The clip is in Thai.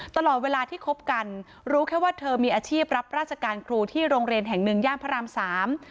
ตลอดเวลาที่คบกันรู้แค่ว่าเธอมีอาชีพรับราชการครูที่โรงเรียนแห่งหนึ่งย่านพระรามสาม